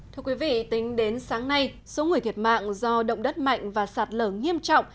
thưa quý vị tính đến sáng nay số người thiệt mạng do động đất mạnh và sạt lở nghiêm trọng